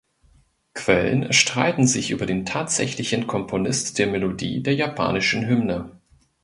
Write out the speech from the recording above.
Quellen streiten sich über den tatsächlichen Komponist der Melodie der japanischen Hymne.